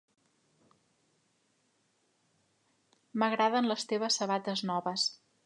M’agraden les teves sabates noves.